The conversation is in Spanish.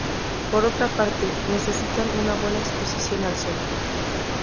Por otra parte, necesitan una buena exposición al sol.